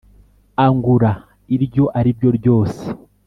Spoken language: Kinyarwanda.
angura iryo ari ryo ryose